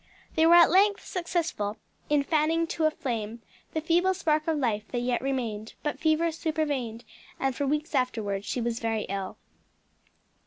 They were at length successful in fanning to a flame the feeble spark of life that yet remained, but fever supervened, and for weeks afterward she was very ill.